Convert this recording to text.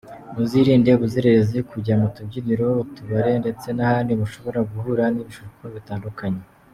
Muzirinde ubuzererezi, kujya mu tubyiniro, utubare, ndetse n’ahandi mushobora guhurira n’ibishuko bitandukanye.